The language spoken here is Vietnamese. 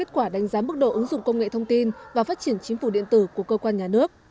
kết quả đánh giá mức độ ứng dụng công nghệ thông tin và phát triển chính phủ điện tử của cơ quan nhà nước